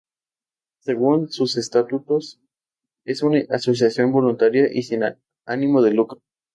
Según sus estatutos es una asociación voluntaria y sin ánimo de lucro.